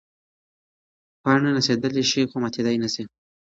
پاڼه نڅېدلی شي خو ماتېدلی نه شي.